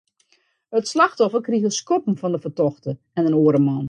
It slachtoffer krige skoppen fan de fertochte en in oare man.